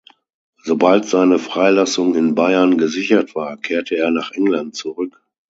Sobald seine Freilassung in Bayern gesichert war, kehrte er nach England zurück.